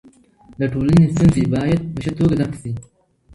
د ټولني ستونزې باید په ښه توګه درک سي.